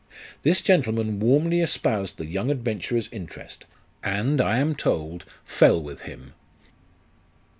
This gentleman warmly espoused the young adventurer's interest, and, I am told, fell with him.